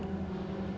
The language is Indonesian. kalau dia berpikir